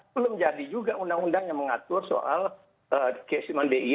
belum jadi juga undang undang yang mengatur soal cash mandi